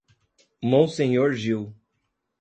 Monsenhor Gil